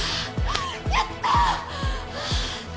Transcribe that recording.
やった！